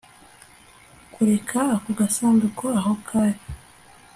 kureka ako gasanduku aho kari. (jakov